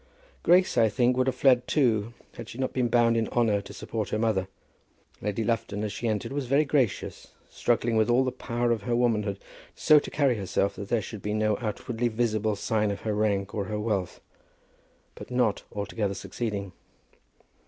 Grace, I think, would have fled too, had she not been bound in honour to support her mother. Lady Lufton, as she entered, was very gracious, struggling with all the power of her womanhood so to carry herself that there should be no outwardly visible sign of her rank or her wealth, but not altogether succeeding.